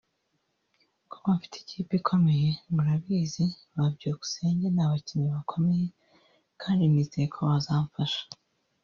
kuko mfite ikipe ikomeye murabizi ba Byukusenge n’abakinnyi bakomeye kandi nizeye ko bazamfasha